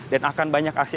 dan akan banyak aksi